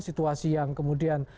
situasi yang kemudian